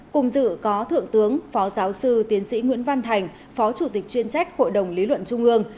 cùng dự có thượng tướng phó giáo sư tiến sĩ nguyễn văn thành phó chủ tịch chuyên trách hội đồng lý luận trung ương